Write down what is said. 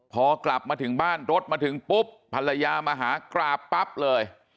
พอกลับมาถึงบ้านรถมาถึงปุ๊บภรรยามาหากราบปั๊บเลย